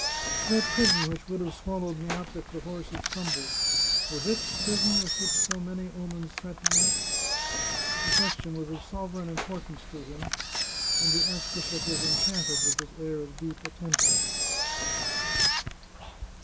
" That prison which would have swallowed me up if the horse had stumbled — was it the prison with which so many omens threaten me ?" The question was of sovereign importance to him. And the archbishop was enchanted with his air of deep attention.